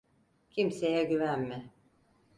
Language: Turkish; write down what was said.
Kimseye güvenme.